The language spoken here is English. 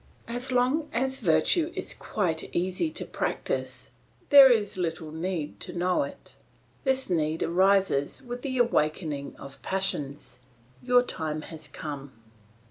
As long as virtue is quite easy to practise, there is little need to know it. This need arises with the awakening of the passions; your time has come.